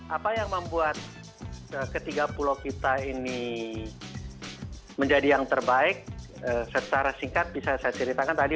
apa yang membuat ketiga pulau kita ini menjadi yang terbaik secara singkat bisa saya ceritakan tadi